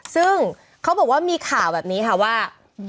ซึ่งเขาบอกว่ามีข่าวแบบนี้ค่ะว่า